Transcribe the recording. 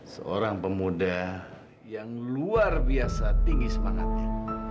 seorang pemuda yang luar biasa tinggi semangatnya